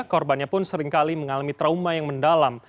korbannya pun seringkali mengalami trauma yang mendalam